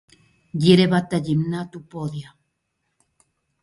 Γύρευα τα γυμνά του πόδια